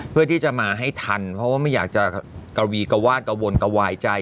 เพื่อที่จะมาให้ทันเพราะว่าไม่อยากจะกระวีกระวาดกระวนกระวายใจ